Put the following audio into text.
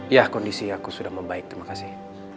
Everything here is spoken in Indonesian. ya kondisi aku sudah membaik terima kasih